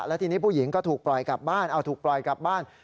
แล้วทีนี้ผู้หญิงก็ถูกปล่อยกลับบ้านเอาถูกปล่อยกลับบ้าน